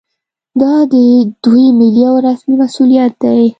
دا د دوی ملي او رسمي مسوولیت دی